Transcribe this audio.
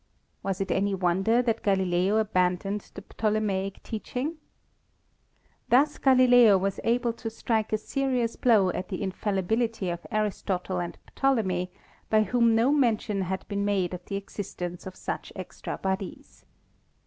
Was it any won der that Galileo abandoned the Ptolemaic teaching? Thus Galileo was able to strike a serious blow at the infallibility of Aristotle and Ptolemy, by whom no mention had been made of the existence of such extra bodies.